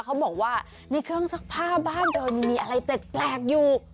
เขาบอกว่าในเครื่องซักผ้าบ้านเธอยังมีอะไรแปลกอยู่